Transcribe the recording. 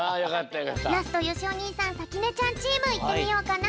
ラストよしお兄さんさきねちゃんチームいってみようかな。